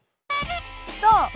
そう！